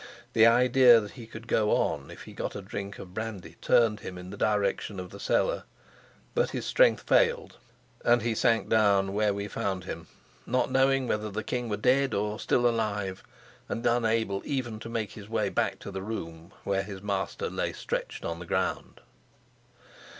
The idea that he could go on if he got a drink of brandy turned him in the direction of the cellar. But his strength failed, and he sank down where we found him, not knowing whether the king were dead or still alive, and unable even to make his way back to the room where his master lay stretched on the ground.